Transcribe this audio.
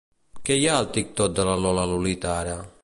Què hi ha al TikTok de la Lola Lolita ara?